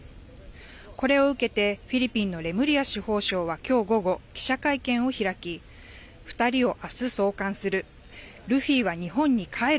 これを受けて、フィリピンのレムリア司法相はきょう午後、記者会見を開き、２人をあす送還する。